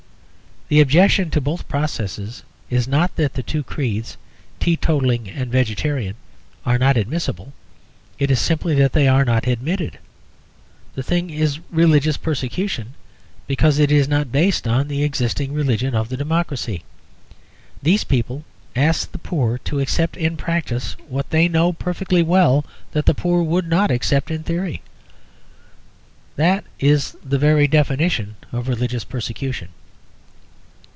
The objection to both processes is not that the two creeds, teetotal and vegetarian, are not admissible; it is simply that they are not admitted. The thing is religious persecution because it is not based on the existing religion of the democracy. These people ask the poor to accept in practice what they know perfectly well that the poor would not accept in theory. That is the very definition of religious persecution.